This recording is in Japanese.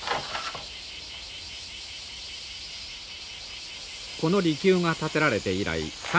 この離宮が建てられて以来三百数十年